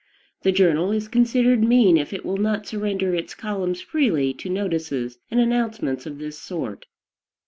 The journal is considered "mean" if it will not surrender its columns freely to notices and announcements of this sort.